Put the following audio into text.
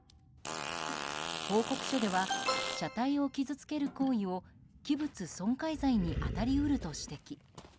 報告書では車体を傷つける行為を器物損壊罪に当たり得ると指摘。